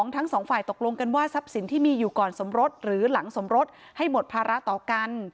ทั้งสองฝ่ายตกลงกันว่าทรัพย์สินที่มีอยู่ก่อนสมรสหรือหลังสมรสให้หมดภาระต่อกัน